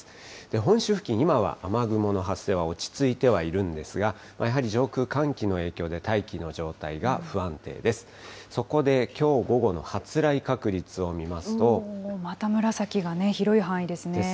本州付近、今は雨雲の発生は落ち着いてはいるんですが、やはり上空、寒気の影響で大気の状態が不安定です。